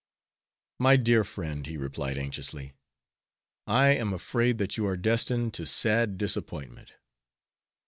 "My dear friend," he replied, anxiously, "I am afraid that you are destined to sad disappointment.